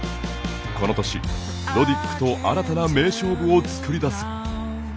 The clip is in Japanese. この年、ロディックと新たな名勝負を作り出す。